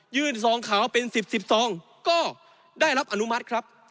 ยื่นทรองข่าวเป็น๑๐๑๒ก็ได้รับอนุมัติครับ